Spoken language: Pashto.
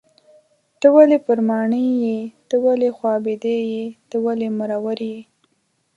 ته ولې پر ماڼي یې .ته ولې خوابدی یې .ته ولې مرور یې